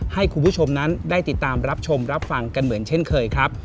ให้คุณผู้ชมนั้นได้ติดตามรับชมรับฟังกันเหมือนเช่นเคยครับ